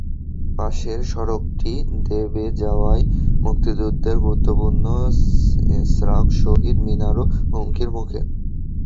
পাশের সড়কটি দেবে যাওয়ায় মুক্তিযুদ্ধের গুরুত্বপূর্ণ স্মারক শহীদ মিনারটিও হুমকির মুখে।